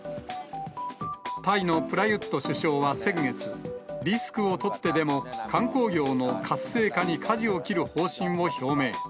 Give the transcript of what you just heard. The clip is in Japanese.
タイのプラユット首相は先月、リスクを取ってでも、観光業の活性化にかじを切る方針を表明。